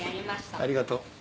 ありがとう。